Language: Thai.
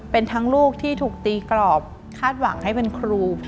เป็นทั้งลูกที่ถูกตีกรอบคาดหวังให้เป็นครู